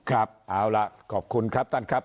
ก็แหละก็คุ้นครับนย์ครับ